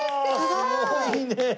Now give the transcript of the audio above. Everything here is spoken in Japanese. すごいねえ！